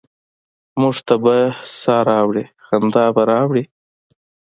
موږ ته به سا ه راوړي، خندا به راوړي؟